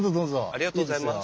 ありがとうございます。